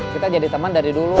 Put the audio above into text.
kita jadi teman dari dulu